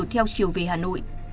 theo chiều về hà nội